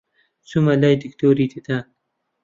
چوومە لای دکتۆری ددان